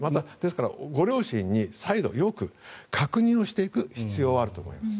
ご両親に再度よく確認をしていく必要はあると思います。